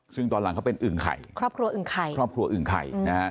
ซึ่งตอนหลังเขาเป็นอึ่งไข่ครอบครัวอึ่งไข่